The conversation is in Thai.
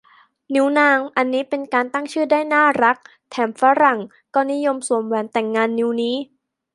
นิ้วนาง อันนี้เป็นการตั้งชื่อได้น่ารัก แถมฝรั่งก็นิยมสวมแหวนแต่งงานนิ้วนี้